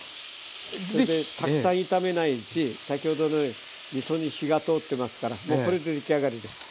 それでたくさん炒めないし先ほどのでみそに火が通ってますからもうこれで出来上がりです。